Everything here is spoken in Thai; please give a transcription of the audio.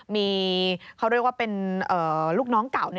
มีเขาเรียกว่าเป็นลูกน้องเก่า